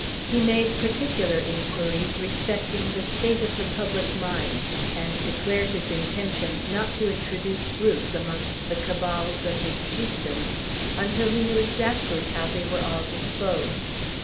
He made particular inquiries respecting the state of the public mind; and declared his intention not to introduce Bruce amongst the cabals of his chieftains until he knew exactly how they were all disposed.